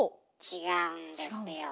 違うんですよ。